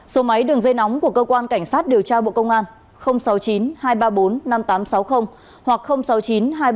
số máy đường dây nóng của cơ quan cảnh sát điều tra bộ công an sáu mươi chín hai trăm ba mươi bốn năm nghìn tám trăm sáu mươi hoặc sáu mươi chín hai trăm ba mươi một hai nghìn sáu trăm bảy